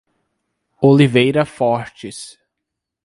Oliveira Fortes